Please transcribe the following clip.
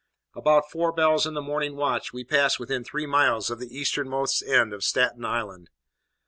About four bells in the morning watch, we passed within three miles of the easternmost end of Staten Island.